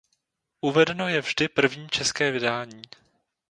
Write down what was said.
Uvedeno je vždy první české vydání.